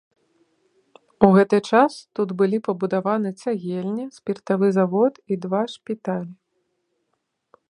У гэты час тут былі пабудаваны цагельня, спіртавы завод і два шпіталі.